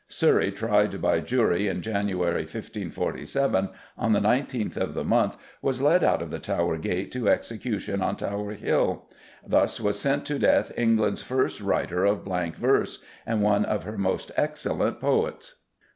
Surrey, tried by jury in January 1547, on the 19th of the month was led out of the Tower gate to execution on Tower Hill. Thus was sent to death England's first writer of blank verse and one of her most excellent poets.